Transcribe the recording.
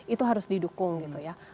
itu harus didukung gitu ya